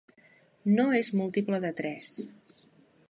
No és múltiple de tres.